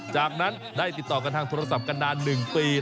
จากนั้นได้ติดต่อกันทางโทรศัพท์กันนาน๑ปี